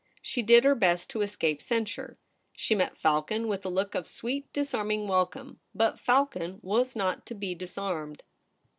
She did her best to escape censure ; she met Falcon with a look of sweet disarming welcome, but Falcon was not to be disarmed.